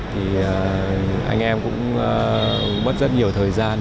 thì anh em cũng mất rất nhiều thời gian